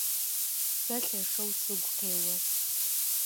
Сэ лъэшэу сыгу къео.